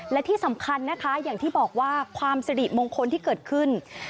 และที่สำคัญนะคะอย่างที่บอกว่าความสิริมงคลที่เกิดขึ้น